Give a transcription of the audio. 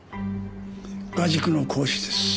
画塾の講師です。